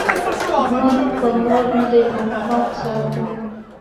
احمد په مور نه دی بند؛ پام ور سره کوه.